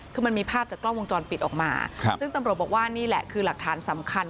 คือมันมีภาพจากกล้องวงจรปิดออกมาซึ่งตำรวจบอกว่านี่แหละคือหลักฐานสำคัญ